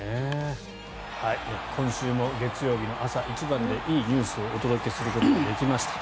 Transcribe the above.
今週の月曜日朝一番でいいニュースをお届けすることができました。